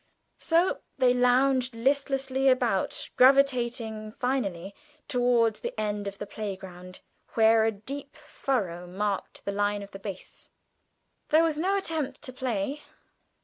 So they lounged listlessly about, gravitating finally towards the end of the playground, where a deep furrow marked the line of the base. There was no attempt to play.